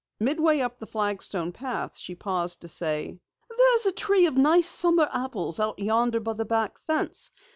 Midway up the flagstone path she paused to say: "There's a tree of nice summer apples out yonder by the back fence.